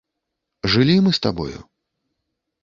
Жылі мы з табою?